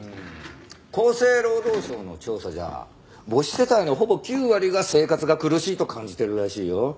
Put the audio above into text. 厚生労働省の調査じゃ母子世帯のほぼ９割が生活が苦しいと感じているらしいよ。